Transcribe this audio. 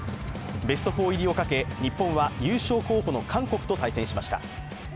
ベスト４入りを懸け日本は優勝候補の韓国と対戦しました。